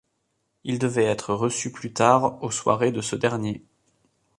Il devait être reçu plus tard aux soirées de ce dernier.